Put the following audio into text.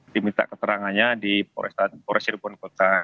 diminta keterangannya di polresirupun kota